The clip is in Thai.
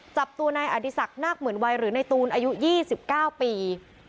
จับตัวนายอดีศักดิ์นาคเหมือนวัยหรือในตูนอายุ๒๙ปี